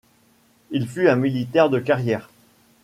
Il fut un militaire de carrière.